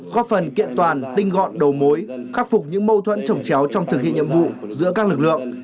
góp phần kiện toàn tinh gọn đầu mối khắc phục những mâu thuẫn trồng chéo trong thực hiện nhiệm vụ giữa các lực lượng